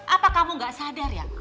apa kamu gak sadar ya